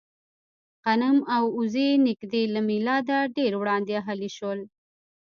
غنم او اوزې نږدې له مېلاده ډېر وړاندې اهلي شول.